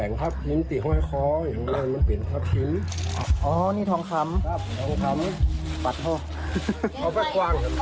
เอาไปควางกันจับลึก